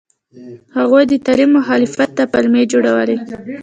هغوی د تعلیم مخالفت ته پلمې جوړولې.